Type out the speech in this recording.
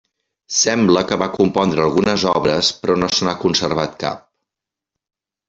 Sembla que va compondre algunes obres però no se n'ha conservat cap.